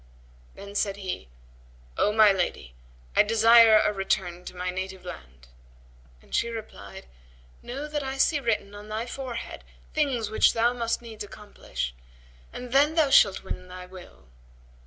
Then said he, "O my lady, I desire a return to my native land;" and she replied, "Know that I see written on thy forehead things which thou must needs accomplish, and then thou shalt win to thy will.